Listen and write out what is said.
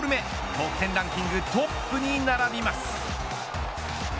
得点ランキングトップに並びます。